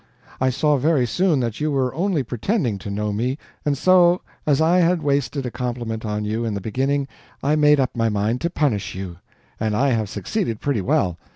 I saw very soon that you were only pretending to know me, and so as I had wasted a compliment on you in the beginning, I made up my mind to punish you. And I have succeeded pretty well.